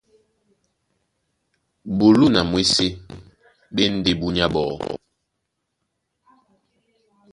Bulú na mwésé ɓá e ndé búnyá ɓɔɔ́.